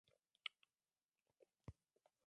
Su genoma ha sido secuenciado.